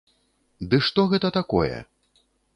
Ды што гэта такое?!